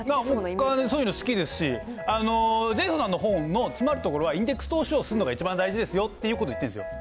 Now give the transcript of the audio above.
僕そういうの好きですし、ジェイソンさんの本のつまるところは、インデックス投資をするのが一番大事ですよということを言ってるんですよ。